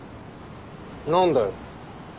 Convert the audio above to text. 何だよ。